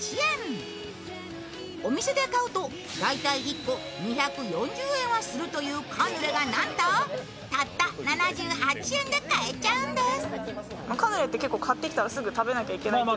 お店で買うと大体１個２４０円はするというカヌレがなんとたった７８円で買えちゃうんです。